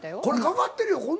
これかかってるよ。